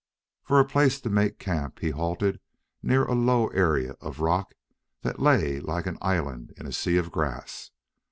For a place to make camp he halted near a low area of rock that lay like an island in a sea of grass.